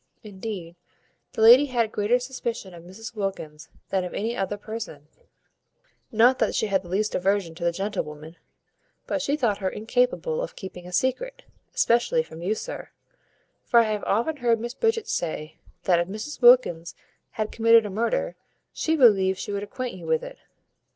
Indeed, the lady had a greater suspicion of Mrs Wilkins than of any other person; not that she had the least aversion to the gentlewoman, but she thought her incapable of keeping a secret, especially from you, sir; for I have often heard Miss Bridget say, that, if Mrs Wilkins had committed a murder, she believed she would acquaint you with it.